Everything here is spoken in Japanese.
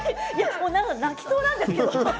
もう泣きそうなんですけど。